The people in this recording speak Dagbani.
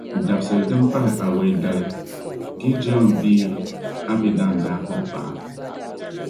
Dabisili din pahi awɛi dali, Gidiɔni bia Abidan daa kpuɣi paɣa.